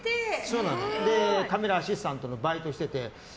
カメラアシスタントのバイトしてて。